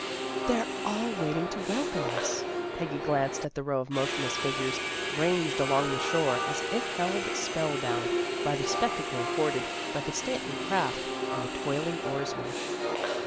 " They're all waiting to welcome us." Peggy glanced at the row of motionless figures, ranged along the shore as if held spell bound by the spectacle afforded by the stately craft and the toiling oarsmen.